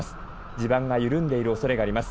地盤が緩んでいるおそれがあります。